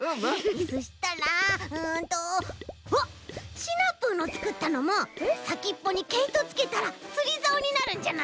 そしたらうんとシナプーのつくったのもさきっぽにけいとつけたらつりざおになるんじゃない？